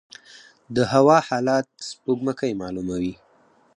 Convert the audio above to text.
د هوا حالات سپوږمکۍ معلوموي